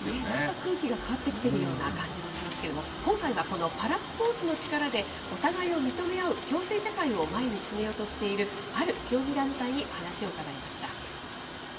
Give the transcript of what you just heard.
空気が変わってきているような感じもしますけれども、今回はこのパラスポーツの力でお互いを認め合う、共生社会を前に進めようとしている、ある競技団体に話を伺いました。